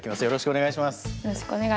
よろしくお願いします。